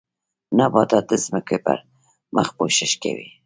نباتات د ځمکې پر مخ پوښښ کوي